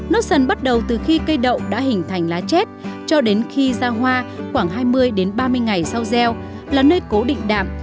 nốt sần bắt đầu từ khi cây đậu đã hình thành lá chét cho đến khi giao hoa khoảng hai mươi ba mươi ngày sau giao là nơi cố định đạm